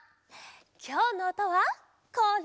きょうのおとはこれ。